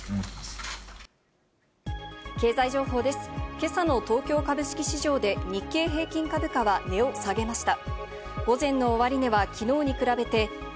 今朝の東京株式市場で日経平均株価は値を下げました。